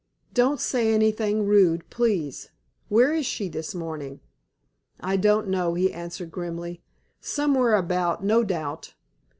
"Don't say anything rude, please. Where is she this morning?" "I don't know," he answered, grimly. "Somewhere about, no doubt."